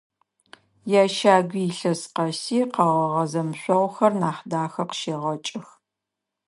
Ящагуи илъэс къэси къэгъэгъэ зэмышъогъухэр Нахьдахэ къыщегъэкӏых.